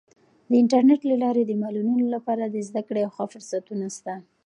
د انټرنیټ له لارې د معلولینو لپاره د زده کړې او ښه فرصتونه سته.